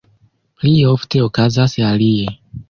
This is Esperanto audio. Pli ofte okazas alie.